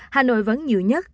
hà nội vẫn nhiều nhất